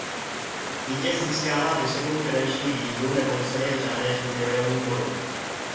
Vítěz získává vysokou finanční výhru nebo ceny v řádech milionů korun.